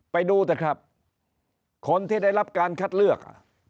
ไปดูเถอะครับคนที่ได้รับการคัดเลือก